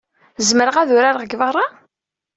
Zemreɣ ad urareɣ deg beṛṛa?